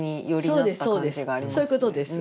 そういうことです。